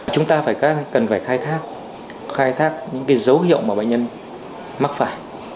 chúng ta cần phải khai thác những dấu hiệu mà bệnh nhân mắc phải